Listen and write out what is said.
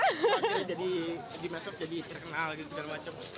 akhirnya jadi di metof jadi terkenal dan segala macam